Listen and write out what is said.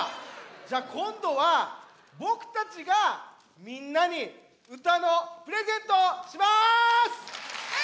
じゃあこんどはぼくたちがみんなにうたのプレゼントします！わ！